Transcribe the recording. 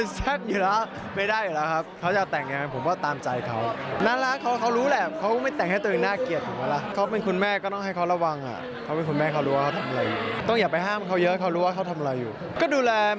สัญญาค่ะ